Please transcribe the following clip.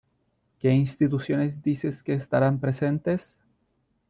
¿Qué instituciones dices que estarán presentes?